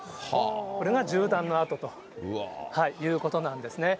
これが銃弾の跡ということなんですね。